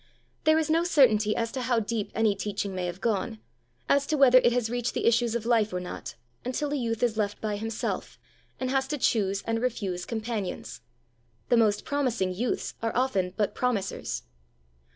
There is no certainty as to how deep any teaching may have gone as to whether it has reached the issues of life or not, until a youth is left by himself, and has to choose and refuse companions: the most promising youths are often but promisers.